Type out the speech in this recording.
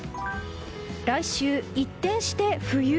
来週、一転して冬？